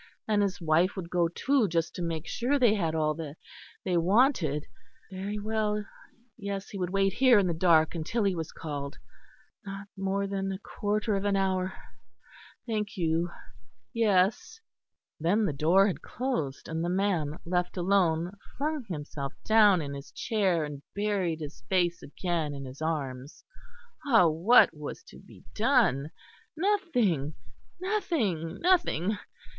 And his wife would go, too, just to make sure they had all they wanted. Very well, yes; he would wait here in the dark until he was called. Not more than a quarter of an hour? Thank you, yes. Then the door had closed; and the man, left alone, flung himself down in his chair, and buried his face again in his arms. Ah! what was to be done? Nothing, nothing, nothing.